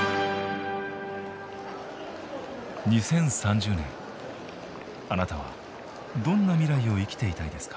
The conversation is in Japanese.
２０３０年あなたはどんな未来を生きていたいですか？